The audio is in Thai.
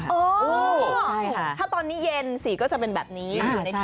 เออถ้าตอนนี้เย็นสีก็จะเป็นแบบนี้